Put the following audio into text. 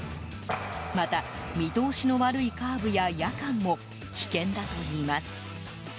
また、見通しの悪いカーブや夜間も危険だといいます。